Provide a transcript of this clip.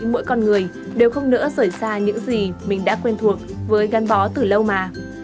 mỗi con người đều không nữa rời xa những gì mình đã quen thuộc với gắn bó từ lâu mà